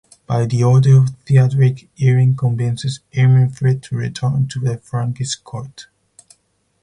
By the order of Thiadrich, Iring convinces Irminfrid to return to the Frankish court.